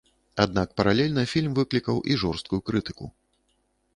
Аднак паралельна фільм выклікаў і жорсткую крытыку.